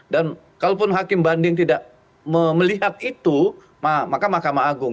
dan kalau pun hakim banding tidak melihat itu maka makam agung